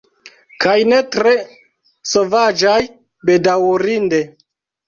Kaj ne tre sovaĝaj, bedaŭrinde.